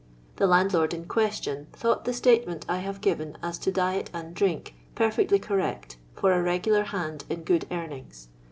The landlord in question thought the statement I have given as to diet and drink perfectly correct for a regular hand in good earnings.